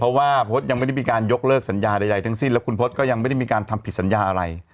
เพราะว่าพจน์ยังไม่ได้มีการยกเลิกสัญญาใดทั้งสิ้นแล้วคุณพศก็ยังไม่ได้มีการทำผิดสัญญาอะไร